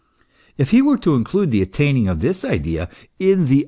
If he were to include the attaining of this idea in the